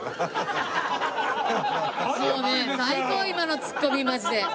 もうね最高今のツッコミマジで。